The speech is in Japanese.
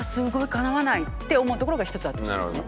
かなわないって思うところが１つあってほしいですね。